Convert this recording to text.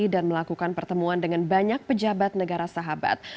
dan melakukan pertemuan dengan banyak pejabat negara sahabat